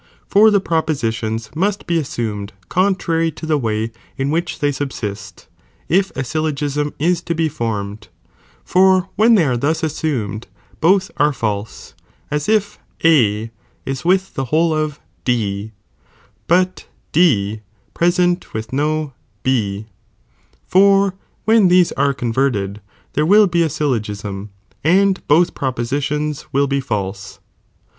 For the propositions must bu assumed eontrary to the way in which they subsiat, if a ayl logism is to be formed,^ for when they are thus assumed both are false, as if A is with the whole of D, but D pvesent witli no B, for when these are converted, there will be a syllogism, and both propositions will be false.